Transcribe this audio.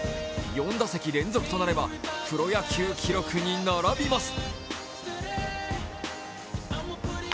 ４打席連続となればプロ野球記録に並びます。